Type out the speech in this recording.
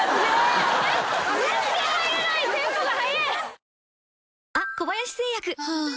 全然入れないテンポが速え。